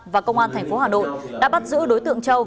và công an thành phố hà nội đã bắt giữ đối tượng châu